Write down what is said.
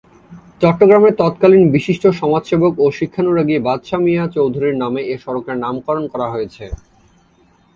চট্টগ্রামের তৎকালীন বিশিষ্ট সমাজসেবক ও শিক্ষানুরাগী বাদশা মিয়া চৌধুরীর নামে এ সড়কের নামকরণ করা হয়েছে।